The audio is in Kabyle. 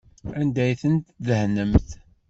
Anda ay tent-tdehnemt?